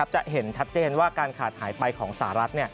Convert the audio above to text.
จะเห็นชัดเจนว่าการขาดหายไปของสหรัฐ